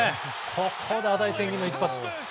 ここで値千金の一発。